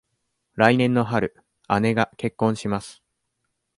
来年の春、姉が結婚します。